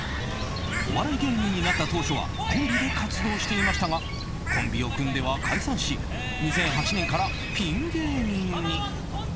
お笑い芸人になった当初はコンビで活動していましたがコンビを組んでは解散し２００８年からピン芸人に。